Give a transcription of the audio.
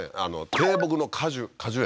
低木の果樹果樹園